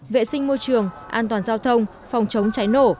vệ sinh môi trường an toàn giao thông phòng chống cháy nổ